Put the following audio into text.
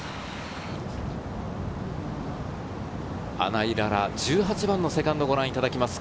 穴井詩、１８番のセカンドをご覧いただきます。